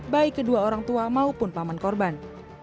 baik kedua orang tua maupun paman korban